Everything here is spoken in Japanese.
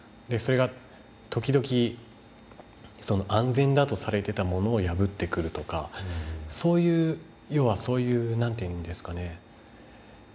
それが時々安全だとされてたものを破ってくるとかそういう要はそういう何ていうんですかね。